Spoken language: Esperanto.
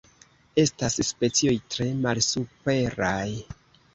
Estas specioj tre malsuperaj.